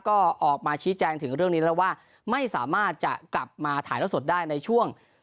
ก็ออกมาชี้แจงถึงเรื่องนี้แล้วว่าไม่สามารถจะกลับมาถ่ายแล้วสดได้ในช่วง